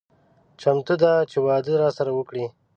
چمتو ده چې واده راسره وکړي.